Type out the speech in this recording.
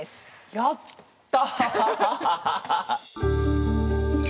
やった！